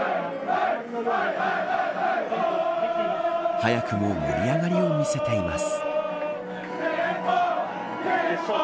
早くも盛り上がりを見せています。